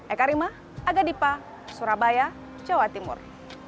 eka rima aga dipa surabaya jawa timur